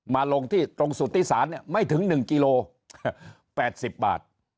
มาลงที่ตรงสุติศาสตร์เนี่ยไม่ถึงหนึ่งกิโลแปดสิบบาท